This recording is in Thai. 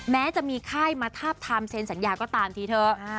แม้จะมีค่ายมาทาบทามเซ็นสัญญาก็ตามทีเถอะ